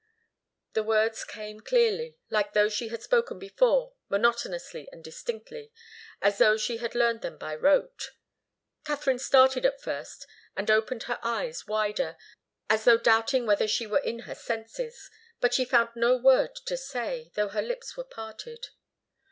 The words came clearly, like those she had spoken before, monotonously and distinctly, as though she had learned them by rote. Katharine started at first, and opened her eyes wider, as though doubting whether she were in her senses. But she found no word to say, though her lips were parted.